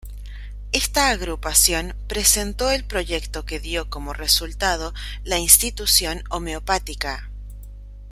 Esta agrupación presentó el proyecto que dio como resultado la Institución Homeopática.